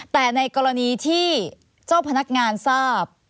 แต่ในกรณีที่เจ้าพนักงานทราบ